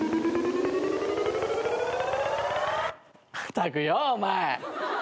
ったくよお前。